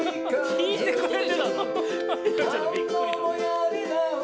弾いてくれてたの⁉